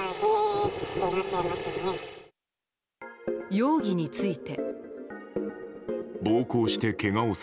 容疑について。